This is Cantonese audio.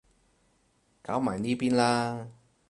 搞埋呢邊啦